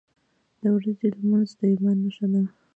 • د ورځې لمونځ د ایمان نښه ده.